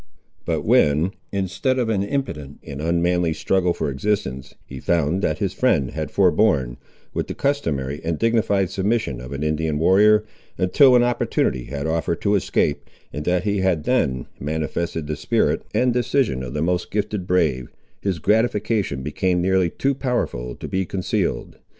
But when, instead of an impotent and unmanly struggle for existence, he found that his friend had forborne, with the customary and dignified submission of an Indian warrior, until an opportunity had offered to escape, and that he had then manifested the spirit and decision of the most gifted brave, his gratification became nearly too powerful to be concealed.